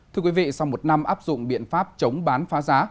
thưa quý vị sau một năm áp dụng biện pháp chống bán phá giá